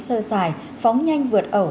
sơ xài phóng nhanh vượt ẩu